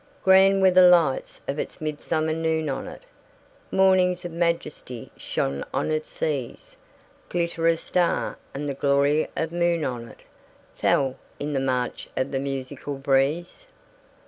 Grand were the lights of its midsummer noon on it Mornings of majesty shone on its seas; Glitter of star and the glory of moon on it Fell, in the march of the musical breeze.